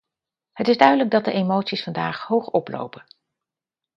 Het is duidelijk dat de emoties vandaag hoog oplopen.